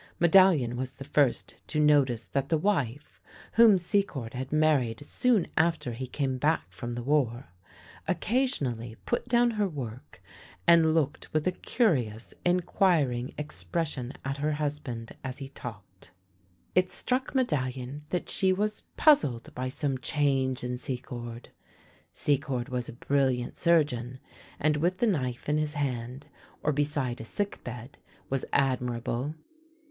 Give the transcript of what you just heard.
Medallion was the first to notice that the wife — whom Secord had married soon after he came back from the war — occasionally put down her work and looked with a curious inquiring expression at her husband as he talked. It struck 266 THE LANE THAT HAD NO TURNING Medallion that she was puzzled by some change in Secord. Secord was a brilliant surgeon, and with the knife in his hand, or beside a sick bed, was admirable.